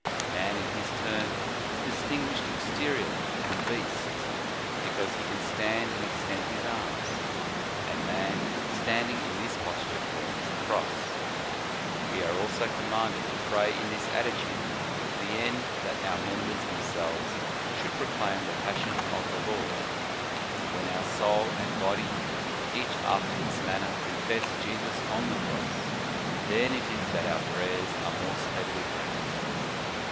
* Man, in his turn, is distinguished exteriorly from beasts, because he can stand and extend his arms; and man, standing in this posture, forms the Cross. We are also commanded to pray in this attitude, to the end that our members themselves should proclaim the Passion of the Lord. When our soul and body, each after its manner, confess Jesus on the Cross, then it is that our prayers are more speedily granted.